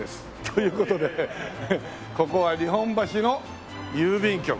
という事でここは日本橋の郵便局。